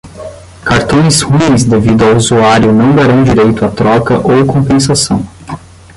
Cartões ruins devido ao usuário não darão direito a troca ou compensação.